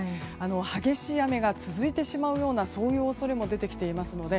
激しい雨が続いてしまうような恐れも出てきていますので